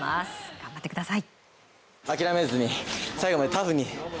頑張ってください。